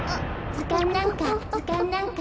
ずかんなんかずかんなんか。